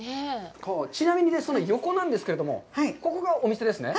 ちなみにその横なんですけれども、ここがお店ですね？